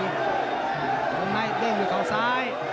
วงในเด้งด้วยเขาซ้าย